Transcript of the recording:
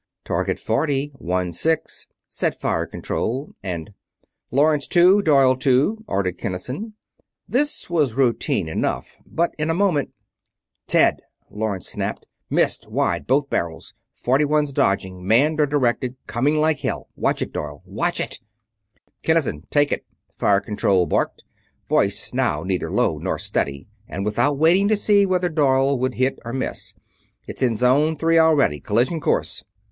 "Target Forty one six," said Fire Control; and: "Lawrence, two. Doyle, two," ordered Kinnison. This was routine enough, but in a moment: "Ted!" Lawrence snapped. "Missed wide both barrels. Forty one's dodging manned or directed coming like hell watch it, Doyle WATCH IT!" "Kinnison, take it!" Fire Control barked, voice now neither low nor steady, and without waiting to see whether Doyle would hit or miss. "It's in Zone Three already collision course!"